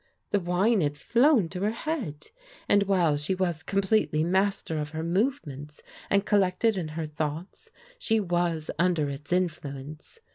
The wine had flown to her head, and while she was completdy master of her movements, and collected in her thoughts, she was under its influence.